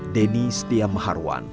deni setia maharwan